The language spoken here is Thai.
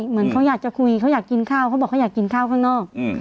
เหมือนเขาอยากจะคุยเขาอยากกินข้าวเขาบอกเขาอยากกินข้าวข้างนอก